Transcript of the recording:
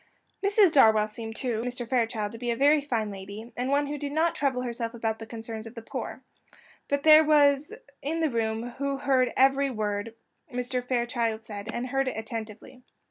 Mrs. Darwell seemed to Mr. Fairchild to be a very fine lady, and one who did not trouble herself about the concerns of the poor; but there was one in the room who heard every word which Mr. Fairchild said, and heard it attentively.